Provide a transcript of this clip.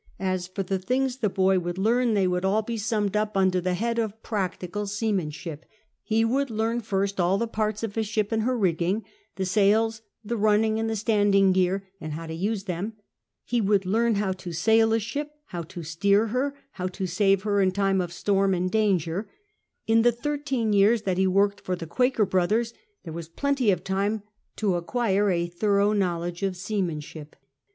As for the things that the boy would learn, they would be all summed up CAPTAIN COOK CHAP. under the head of practical seamanship ; he would learn first all the parts of a ship and her rigging ; the sails, the running and the standing gear, and how to use them ; he would learn how to sail a ship, how to steer her, how to save lier in time of storm and danger ; in the thirteen years that he worked for the Quaker brothers, there was jdenty of time to acquire a thorough knowledge of sea manship.